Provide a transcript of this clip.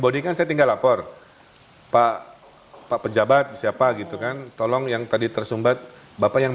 bodi kan saya tinggal lapor pak pak pejabat siapa gitu kan tolong yang tadi tersumbat bapak yang